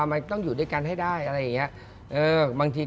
มันต้องอยู่ด้วยกันให้ได้อะไรอย่างนี้